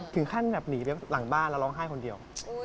ถึงขั้นแบบหนีไปหลังบ้านแล้วร้องไห้คนเดียว